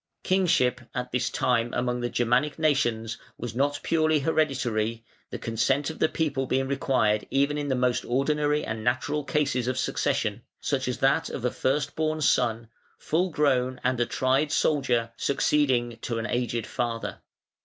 Kingship at this time among the Germanic nations was not purely hereditary, the consent of the people being required even in the most ordinary and natural cases of succession, such as that of a first born son, full grown and a tried soldier succeeding to an aged father.